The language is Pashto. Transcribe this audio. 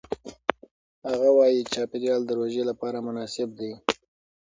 هغه وايي چاپېریال د روژې لپاره مناسب دی.